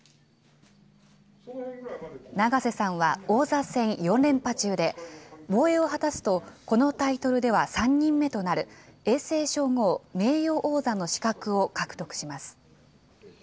永瀬さんは王座戦４連覇中で、防衛を果たすと、このタイトルでは、３人目となる、永世称号、名誉王座の資格を獲得します。